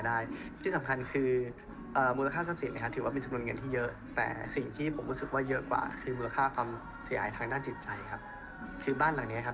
แล้วเริ่มสร้างตัวที่มีแม่ปลูกพูดภัณฑ์กับบ้านหลังนี้มาก่อน